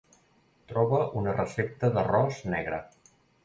Troba una recepta d'arròs negre.